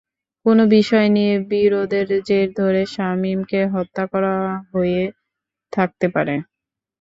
কোনো বিষয় নিয়ে বিরোধের জের ধরে শামীমকে হত্যা করা হয়ে থাকতে পারে।